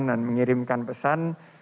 dan mengirimkan pesan